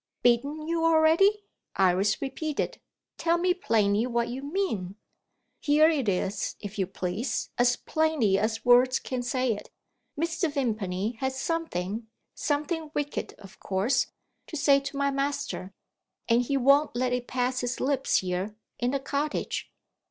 "Beaten you already?" Iris repeated. "Tell me plainly what you mean?" "Here it is, if you please, as plainly as words can say it. Mr. Vimpany has something something wicked, of course to say to my master; and he won't let it pass his lips here, in the cottage."